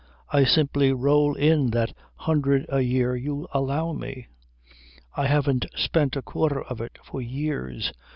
I simply roll in that hundred a year you allow me. I haven't spent a quarter of it for years.